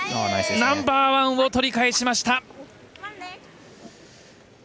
ナンバーワンを取り返しました！